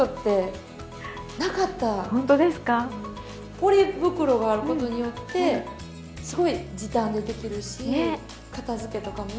ポリ袋があることによってすごい時短でできるし片づけとかも。